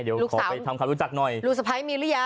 เดี๋ยวขอไปทำคำรู้จักหน่อย